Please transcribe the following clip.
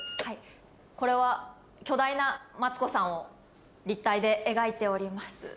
これは巨大なマツコさんを立体で描いております。